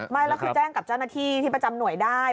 ก็แจ้งกับจ้างนาที่ที่ประจำหน่วยได้